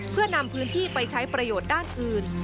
เพื่อนำพื้นที่ไปใช้ประโยชน์ด้านอื่น